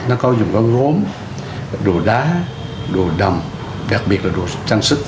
nó có dùng góm gốm đồ đá đồ đầm đặc biệt là đồ trang sức